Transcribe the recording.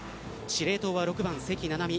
司令塔は６番、関菜々巳